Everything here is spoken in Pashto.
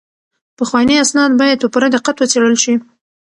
پخواني اسناد باید په پوره دقت وڅیړل شي.